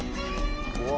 うわ